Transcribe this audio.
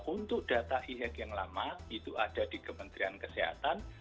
untuk data e hack yang lama itu ada di kementerian kesehatan